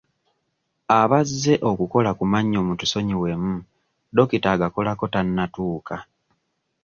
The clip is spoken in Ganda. Abazze okukola ku mannyo mutusonyiwemu dokita agakolako tannatuuka.